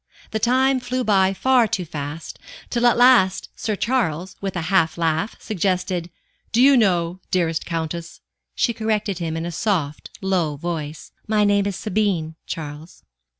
The time flew by far too fast, till at last Sir Charles, with a half laugh, suggested: "Do you know, dearest Countess " She corrected him in a soft, low voice. "My name is Sabine Charles."